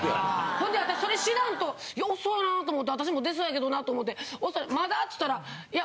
ほんで私それ知らんと遅いなと思って私も出そうやけどなと思って「まだ？」つったら。